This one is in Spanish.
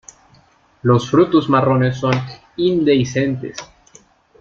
Los frutos marrones son indehiscentes.